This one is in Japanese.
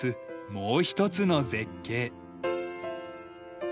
もう一つの絶景。